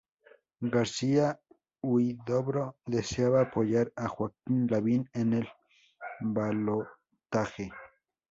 García-Huidobro deseaba apoyar a Joaquín Lavín en el balotaje.